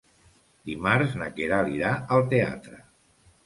Dimarts na Queralt irà al teatre.